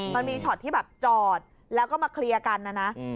มันมีช็อตที่แบบจอดแล้วก็มาเคลียร์กันนะนะ